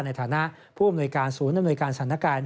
ในฐานะผู้อำนวยการศูนย์อำนวยการสถานการณ์